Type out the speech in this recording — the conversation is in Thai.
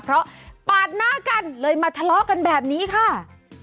เพราะปาดหน้ากันเลยมาทะเลาะกันแบบนี้ค่ะ